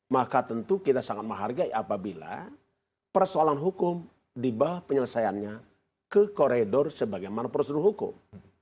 maka tentu kita sangat menghargai apabila persoalan hukum dibawa penyelesaiannya ke koridor sebagaimana prosedur hukum